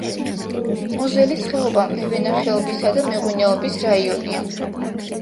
მოზელის ხეობა მევენახეობისა და მეღვინეობის რაიონია.